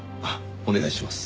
お願いします。